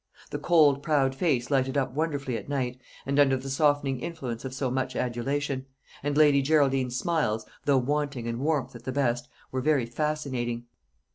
The cold proud face lighted up wonderfully at night, and under the softening influence of so much adulation; and Lady Geraldine's smiles, though wanting in warmth at the best, were very fascinating.